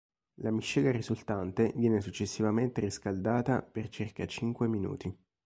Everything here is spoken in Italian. La miscela risultante viene successivamente riscaldata per circa cinque minuti.